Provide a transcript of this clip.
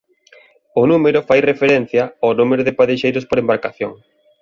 O número fai referencia ao número de padexeiros por embarcación.